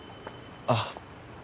あっ